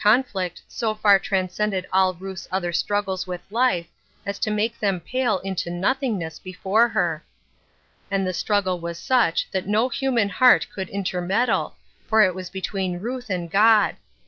nflict so far transcended all Ruth's other struggles with life as to make them pale into nothingness before her. And the struorprle ^as such that no human The Baptism of Suffering. 419 heart coiild intermeddle, for it was between Ruth and God